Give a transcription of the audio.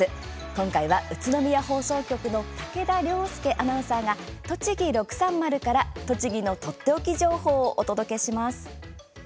今回は、宇都宮放送局の武田涼介アナウンサーが「とちぎ６３０」から栃木のとっておき情報をお届けします。